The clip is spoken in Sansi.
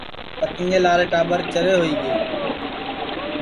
پتنگیں لارے ٹاٻر چرے ہوئی گے